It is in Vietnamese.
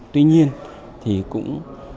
tuy nhiên thì cũng